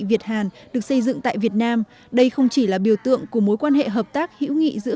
việt hàn được xây dựng tại việt nam đây không chỉ là biểu tượng của mối quan hệ hợp tác hữu nghị giữa